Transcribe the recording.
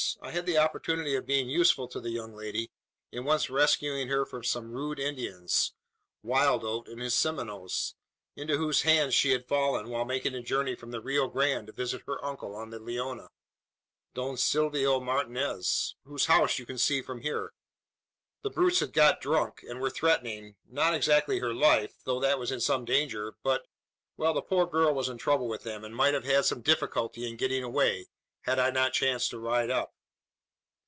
I had the opportunity of being useful to the young lady, in once rescuing her from some rude Indians Wild Oat and his Seminoles into whose hands she had fallen, while making a journey from the Rio Grande to visit her uncle on the Leona Don Silvio Martinez, whose house you can see from here. The brutes had got drunk; and were threatening not exactly her life though that was in some danger, but well, the poor girl was in trouble with them, and might have had some difficulty in getting away, had I not chanced to ride up."